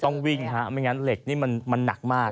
ต้องวิ่งฮะไม่งั้นเหล็กนี่มันหนักมาก